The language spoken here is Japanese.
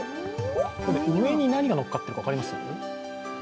上に何がのっかってるか分かります？